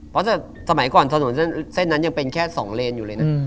เพราะสมัยก่อนถนนเส้นนั้นยังเป็นแค่๒เลนอยู่เลยนะ